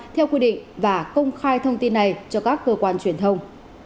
theo quy định và công khai thông tin này cho các cơ quan truyền thông